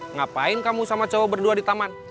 ngapain kamu sama cowok berdua di taman